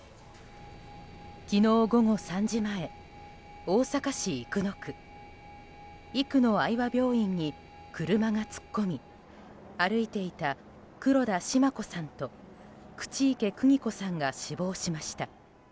昨日午後３時前大阪市生野区生野愛和病院に車が突っ込み歩いていた黒田シマ子さんと口池邦子さんが死亡しました。